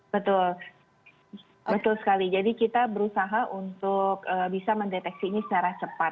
betul betul sekali jadi kita berusaha untuk bisa mendeteksi ini secara cepat